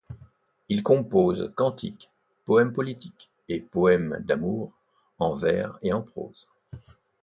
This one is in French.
Il compose cantiques, poèmes politiques et poèmes d’amour, en vers et en prose.